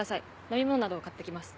飲み物などを買ってきます。